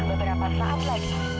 berapa saat lagi